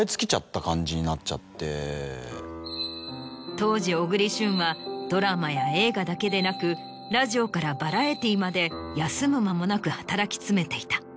当時小栗旬はドラマや映画だけでなくラジオからバラエティーまで休む間もなく働き詰めていた。